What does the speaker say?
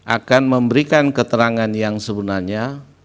akan memberikan keterangan yang sebenarnya